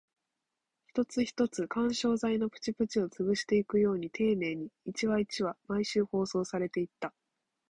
一つ一つ、緩衝材のプチプチを潰していくように丁寧に、一話一話、毎週放送されていった